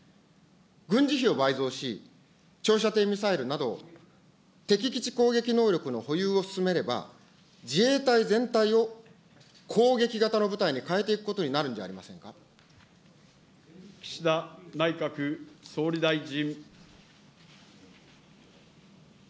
軍事費を倍増し、長射程ミサイルなど、敵基地攻撃能力の保有を進めれば、自衛隊全体を攻撃型の部隊に変えていくことになるんじゃ岸田内閣総理大臣。